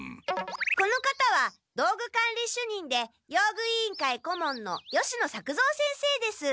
この方は道具管理主任で用具委員会顧問の吉野作造先生です。